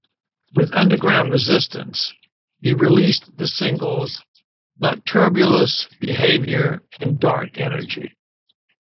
With Underground Resistance, he released the singles "Nocturbulous Behavior" and "Dark Energy".